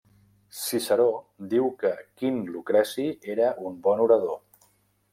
Ciceró diu que Quint Lucreci era un bon orador.